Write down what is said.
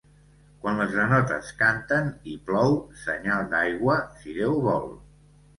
Quan les granotes canten, i plou, senyal d'aigua, si Déu vol.